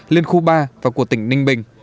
liên khu ba và của tỉnh ninh bình